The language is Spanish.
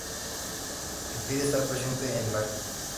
Le pide estar presente en el acto.